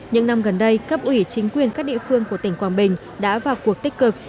những năm gần đây cấp ủy chính quyền các địa phương của tỉnh quảng bình đã vào cuộc tích cực